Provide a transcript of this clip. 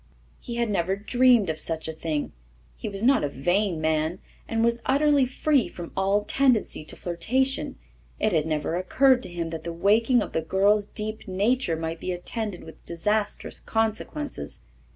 He had never dreamed of such a thing. He was not a vain man, and was utterly free from all tendency to flirtation. It had never occurred to him that the waking of the girl's deep nature might be attended with disastrous consequences.